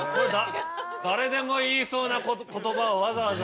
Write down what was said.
誰でも言いそうな言葉をわざわざ。